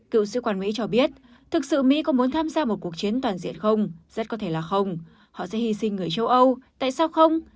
cựu sĩ quan mỹ cho biết thực sự mỹ có muốn tham gia một cuộc chiến toàn diện không rất có thể là không họ sẽ hy sinh người châu âu tại sao không